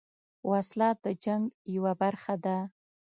وسله د جنګ یوه برخه ده